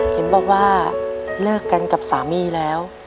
เห็นบอกว่าเลิกกันกับสามีแล้ว